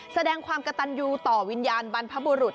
แสดงความกระตันยูต่อวิญญาณบรรพบุรุษ